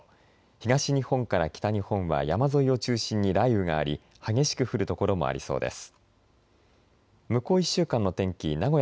東日本から北日本は山沿いを中心に雷雨があり激しく降る所もありそうです。